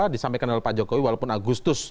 disampaikan oleh pak jokowi walaupun agustus